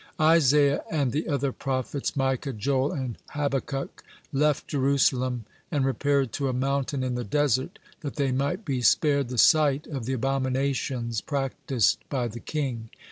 (99) Isaiah and the other prophets, Micah, Joel, and Habakkuk, (100) left Jerusalem and repaired to a mountain in the desert, that they might be spared the sight of the abominations practiced by the king.